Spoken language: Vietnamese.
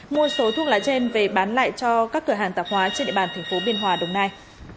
mua số thuốc lá trên về bán lại cho các cửa hàng tạp hóa trên địa bàn thành phố biên hòa đồng nai